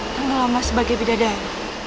teman lama sebagai bidadari